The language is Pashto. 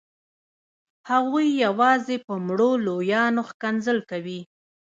هغوی یوازې په مړو لویان ښکنځل کوي.